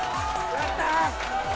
やった！